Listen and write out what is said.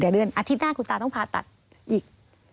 เดี๋ยวเดือนอาทิตย์หน้าคุณตาต้องพาตัดอีก